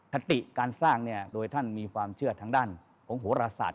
คติการสร้างเนี่ยโดยท่านมีความเชื่อทางด้านของโหรศาสต